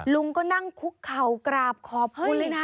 ลุงก็นั่งคุกเข่ากราบขอบคุณเลยนะ